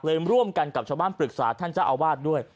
ร่วมกันกับชาวบ้านปรึกษาท่านเจ้าอาวาสด้วย